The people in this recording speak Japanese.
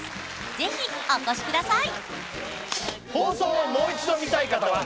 ぜひお越しください！